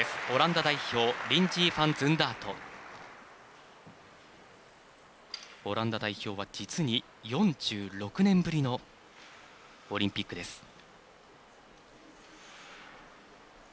オランダ代表は、実に４６年ぶりのオリンピックです。